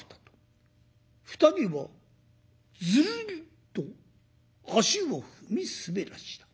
二人はずるりと足を踏み滑らした。